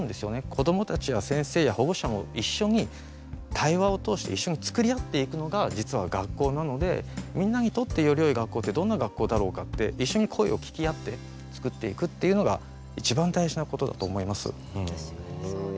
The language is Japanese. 子供たちや先生や保護者も一緒に対話を通して一緒に作り合っていくのが実は学校なので、みんなにとってよりよい学校ってどんな学校だろうかって一緒に声を聞き合って作っていくっていうのが一番大事なことだと思います。